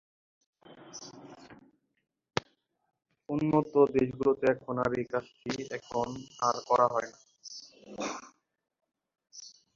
উন্নত দেশগুলোতে এখন আর এই কাজটি এখন আর করা হয়না।